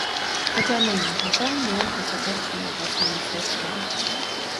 Վճարման ենթակա են միայն փոխադարձ չմարված մնացորդները։